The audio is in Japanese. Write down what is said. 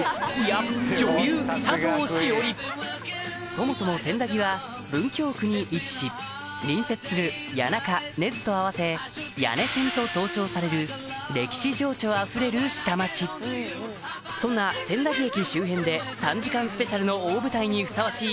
そもそも千駄木は文京区に位置し隣接する谷中根津と合わせ「谷根千」と総称される歴史情緒あふれる下町そんな千駄木駅周辺で３時間スペシャルの大舞台にふさわしい